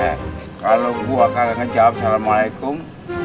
eh kalau gue kagak ngejawab salamualaikum